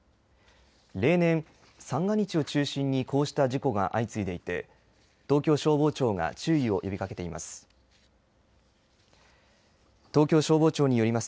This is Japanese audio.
例年、三が日を中心に、こうした事故が相次いでいて、東京消防庁が注意を呼びかけています。